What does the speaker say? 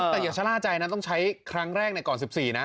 แต่อย่าชะล่าใจนะต้องใช้ครั้งแรกก่อน๑๔นะ